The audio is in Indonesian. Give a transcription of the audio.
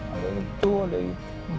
ada itu ada itu